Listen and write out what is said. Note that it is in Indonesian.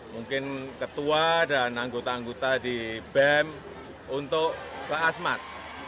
mungkin ketua dan anggota anggota di bem untuk ke asmat